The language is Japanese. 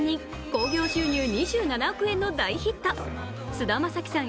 菅田将暉さん